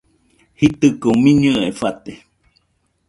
Jitɨko miñɨe fate